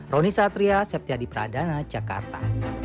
roni satria septiadi pradana jakarta